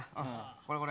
これこれ。